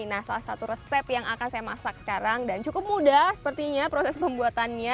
nah salah satu resep yang akan saya masak sekarang dan cukup mudah sepertinya proses pembuatannya